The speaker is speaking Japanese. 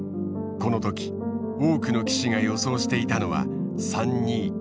この時多くの棋士が予想していたのは３二金。